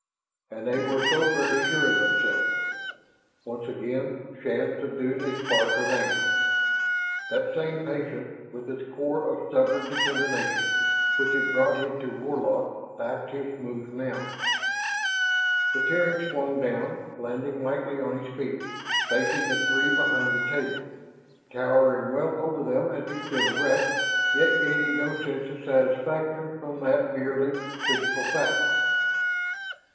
And they were so very sure of themselves.... Once again Shann subdued a spark of anger. That same patience with its core of stubborn determination which had brought him to Warlock backed his moves now. The Terran swung down, landing lightly on his feet, facing the three behind the table, towering well over them as he stood erect, yet gaining no sense of satisfaction from that merely physical fact.